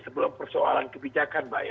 sebelum persoalan kebijakan mbak ya